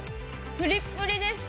ぷりっぷりです。